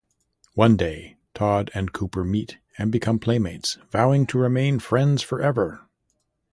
One day, Tod and Copper meet and become playmates, vowing to remain "friends forever".